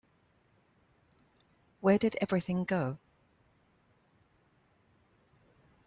Where did everything go?